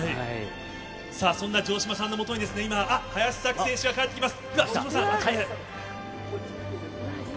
さあ、そんな城島さんのもとに、今、林咲希選手が帰ってきます。